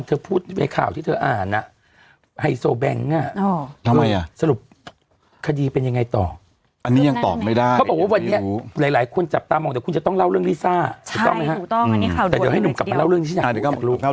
ถูกต้องไหมคะแต่เดี๋ยวให้หนุ่มกลับมาเล่าเรื่องที่อยากรู้อยากรู้ใช่ถูกต้องอันนี้ข่าวโดยทีเดียว